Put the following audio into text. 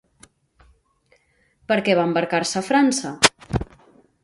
Per què va embarcar-se a França?